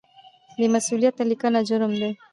بې مسؤلیته لیکنه جرم دی.